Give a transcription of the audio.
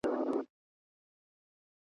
ښځې باید د ښوونځي امکاناتو ته لاسرسی ولري.